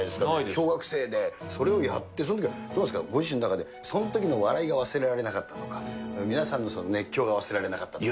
小学生で、それをやって、そのときはどうなんですか、ご自身の中でそのときの笑いが忘れられなかったとか、皆さんのその熱狂が忘れられなかったとか。